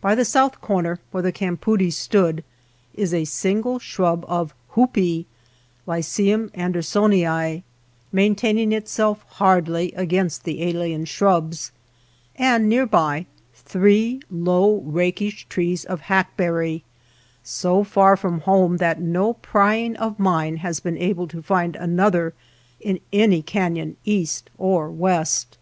By the south corner, where the campoodie stood, is a single shrub of "hoopee" {Lycium An dersonii), maintaining itself hardly among 128 ~ MY NEIGHBORS FIELD alien shrubs, and near by, three low rakish trees of hackberry, so far from home that no prying of mine has been able to find an other in any canon east or west.